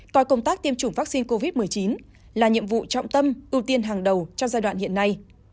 coi công tác tiêm chủng vaccine covid một mươi chín là nhiệm vụ trọng tâm ưu tiên hàng đầu trong giai đoạn hiện nay